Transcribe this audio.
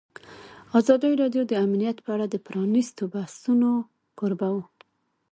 ازادي راډیو د امنیت په اړه د پرانیستو بحثونو کوربه وه.